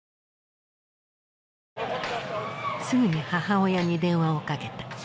すぐに母親に電話をかけた。